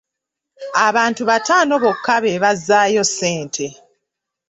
Abantu bataano bokka be bazzaayo ssente.